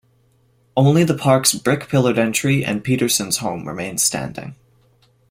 Only the park's brick pillared entry and Peterson's home remains standing.